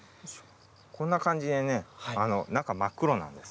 こんな感じでね中が真っ黒なんです。